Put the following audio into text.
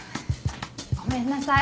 ごめんなさい